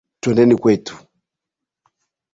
Twendeni kwetu.